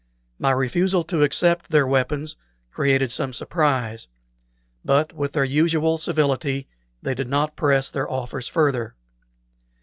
My refusal to accept their weapons created some surprise, but with their usual civility they did not press their offers further.